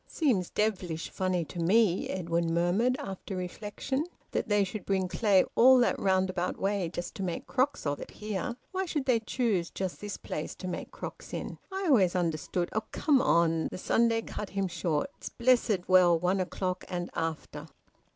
"Seems devilish funny to me," Edwin murmured, after reflection, "that they should bring clay all that roundabout way just to make crocks of it here. Why should they choose just this place to make crocks in? I always understood " "Oh! Come on!" the Sunday cut him short. "It's blessed well one o'clock and after!"